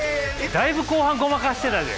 だいぶ後半ごまかしてたで。